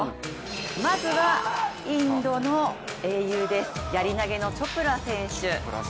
まずはインドの英雄です、やり投げのチョプラ選手。